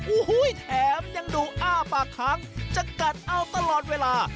โอ้โหแถมยังดูอ้าปากค้างจะกัดเอาตลอดเวลา